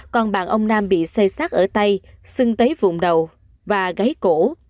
còn bạn ông nam bị xây xác ở tay sưng tấy vùng đầu và gáy cổ